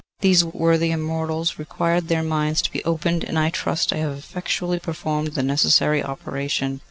These worthy Immortals required their minds to be opened, and I trust I have effectually performed the necessary operation.